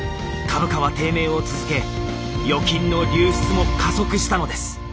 株価は低迷を続け預金の流出も加速したのです。